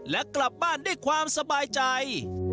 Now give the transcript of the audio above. และกลับบ้านด้วยความสบายใจ